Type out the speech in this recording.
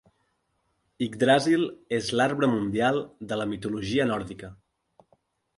Yggdrasil és l'arbre mundial de la mitologia nòrdica.